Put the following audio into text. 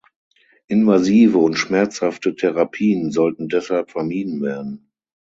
Invasive und schmerzhafte Therapien sollten deshalb vermieden werden.